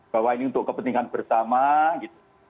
bahwa ini untuk kepentingan bersama gitu